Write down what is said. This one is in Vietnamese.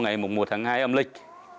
ngày một tháng hai âm lịch